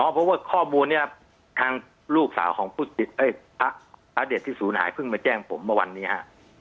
เพราะว่าข้อมูลนี้ทางลูกสาวของพระเด็ดที่ศูนย์หายเพิ่งมาแจ้งผมเมื่อวันนี้ฮะ